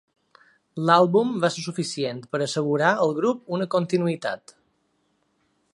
L'àlbum va ser suficient per a assegurar al grup una continuïtat.